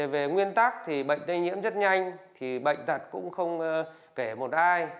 về nguyên tắc thì bệnh tây nhiễm rất nhanh bệnh tật cũng không kể một ai